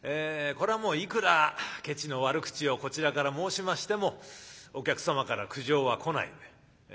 これはもういくらケチの悪口をこちらから申しましてもお客様から苦情は来ないので。